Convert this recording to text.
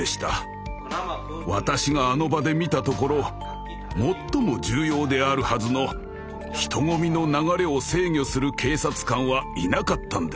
私があの場で見たところ最も重要であるはずの人混みの流れを制御する警察官はいなかったんです。